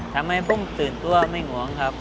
ทำให้ผมตื่นตัวไม่ห่วงครับ